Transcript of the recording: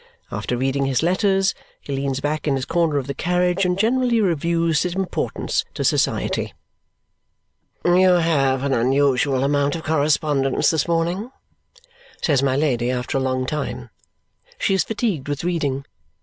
After reading his letters, he leans back in his corner of the carriage and generally reviews his importance to society. "You have an unusual amount of correspondence this morning?" says my Lady after a long time. She is fatigued with reading.